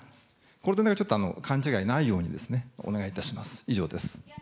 これだけはちょっと勘違いないよう、お願いいたします。